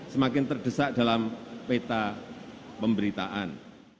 semakin terdesak dalam peta pemberitaan